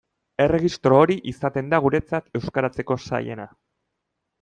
Erregistro hori izaten da guretzat euskaratzeko zailena.